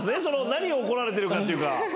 何を怒られてるかっていうか。